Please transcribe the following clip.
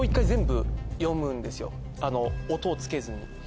音をつけずに。